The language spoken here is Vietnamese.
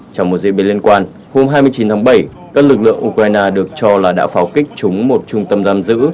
trong một diễn biến liên quan hôm hai mươi chín tháng bảy các lực lượng ukraine được cho là đã pháo kích trúng một trung tâm giam giữ